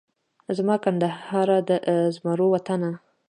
زما کندهاره د زمرو وطنه